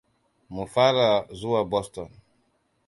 Mu fara zuwa Boston.